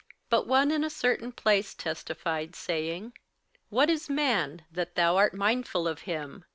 58:002:006 But one in a certain place testified, saying, What is man, that thou art mindful of him?